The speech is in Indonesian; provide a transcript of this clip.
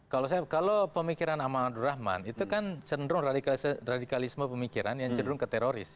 kalau saya kalau pemikiran aman abdurrahman itu kan cenderung radikalisme pemikiran yang cenderung ke teroris